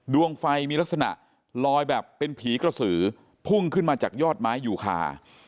ดวงไฟมีลักษณะลอยแบบเป็นผีกระสือพุ่งขึ้นมาจากยอดไม้ยูคา